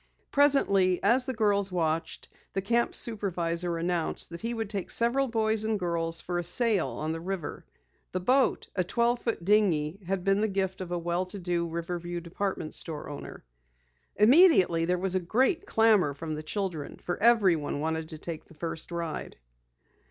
Presently, as the girls watched, the camp supervisor announced that he would take several boys and girls for a sail on the river. The boat, a twelve foot dinghy, had been the gift of a well to do Riverview department store owner. Immediately there was a great clamor from the children, for everyone wanted to take the first ride.